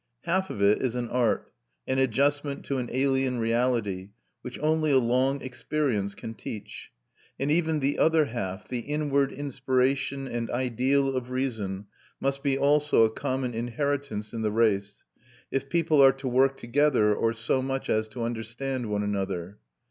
Half of it is an art, an adjustment to an alien reality, which only a long experience can teach: and even the other half, the inward inspiration and ideal of reason, must be also a common inheritance in the race, if people are to work together or so much as to understand one another.